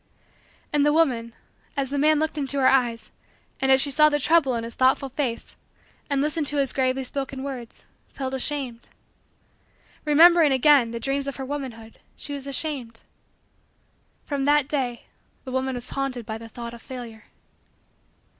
And the woman, as the man looked into her eyes and as she saw the trouble in his thoughtful face and listened to his gravely spoken words, felt ashamed. Remembering, again, the dreams of her womanhood, she was ashamed. From that day, the woman was haunted by the thought of Failure.